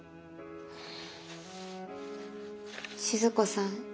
静子さん